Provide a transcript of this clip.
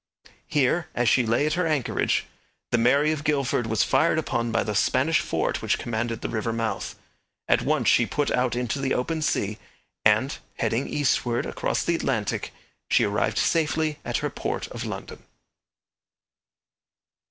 Here, as she lay at her anchorage, the Mary of Guildford was fired upon by the Spanish fort which commanded the river mouth. At once she put out into the open sea, and, heading eastward across the Atlantic, she arrived safely at her port of London.